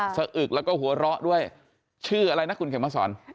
อึกแล้วก็หัวเราะด้วยชื่ออะไรนะคุณเข็มมาสอน